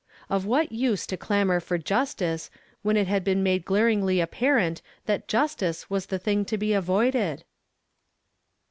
Of what use to clamor for justice, when it had been raade glaringly apparent that justice was the thing t.) be avoided?